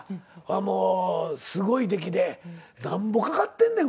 もうすごいできで何ぼかかってんねん